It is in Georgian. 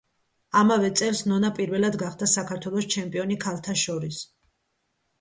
ამავე წელს ნონა პირველად გახდა საქართველოს ჩემპიონი ქალთა შორის.